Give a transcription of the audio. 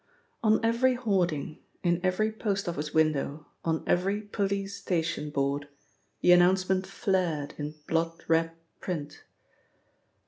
On every hoarding, in every post office window, on every police station board, the announcement flared in blood red print.